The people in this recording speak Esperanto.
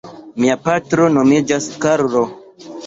Mia patro nomiĝas Karlo.